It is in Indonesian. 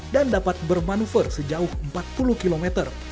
dan dapat bermanuver sejauh empat puluh km